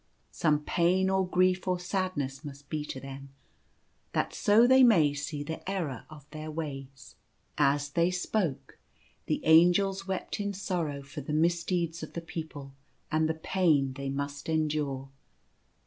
Some pain or grief or sadness must be to them, that so they may see the error of their ways." As they spoke, the Angels wept in sorrow for the misdeeds of the people and the pain they must endure.